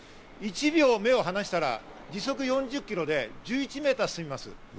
１秒目を離したら、時速４０キロで１１ｍ進みます。